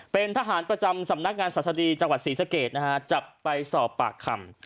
เป็นทหารประจำสำนักงานศาสดีจังหวัดศรีสะเกดนะฮะจับไปสอบปากคำ